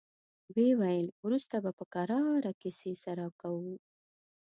ويې ويل: وروسته به په کراره کيسې سره کوو.